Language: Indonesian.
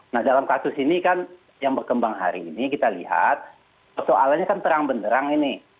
nah dalam kasus ini kan yang berkembang hari ini kita lihat persoalannya kan terang benderang ini